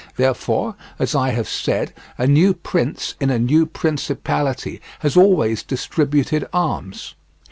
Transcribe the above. Therefore, as I have said, a new prince in a new principality has always distributed arms.